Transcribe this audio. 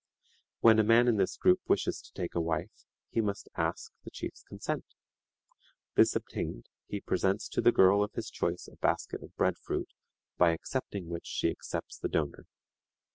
When a man in this group wishes to take a wife, he must ask the chief's consent. This obtained, he presents to the girl of his choice a basket of bread fruit, by accepting which she accepts the donor.